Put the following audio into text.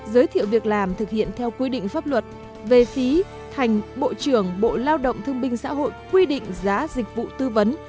giới thiệu việc làm thực hiện theo quy định pháp luật về phí thành bộ trưởng bộ lao động thương binh xã hội quy định giá dịch vụ tư vấn